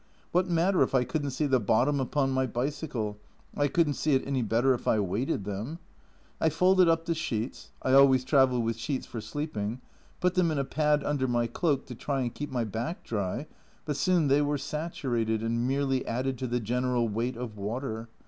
What matter if I couldn't see the bottom upon my bicycle, I couldn't see it any better if I waded them. I folded up the A Journal from Japan 207 sheets (I always travel with sheets for sleeping), put them in a pad under my cloak to try and keep my back dry, but soon they were saturated and merely added to the general weight of water.